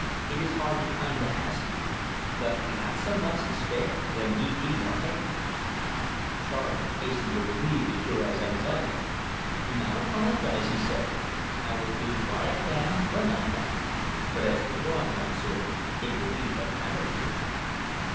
It is hardly kind to ask you; but we have some months to spare; there need be no haste." Charley hastened to relieve the Cure's anxiety. "Do not apologise," he said. "I will do what I can when I can. But as for drawing, Monsieur, it will be but amateurish."